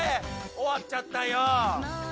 終わっちゃったよ。